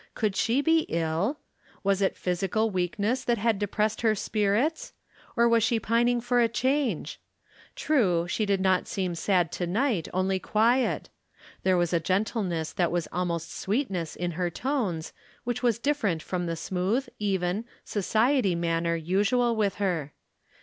Could she be ill ? "Was it physical weakness that had depressed her spirits ? Or was she pining for a change ? True, she did not seem sad to night, only quiet ; there was a gentleness that was almost sweetness in her tones, which was different from the smooth, even, society manner usual with her.